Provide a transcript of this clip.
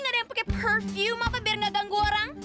gak ada yang pakai perfume apa biar gak ganggu orang